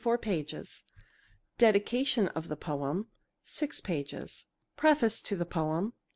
34 pages Dedication of the poem ...... 6 " Preface to the poem